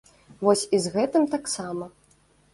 Вось і з гэтым таксама.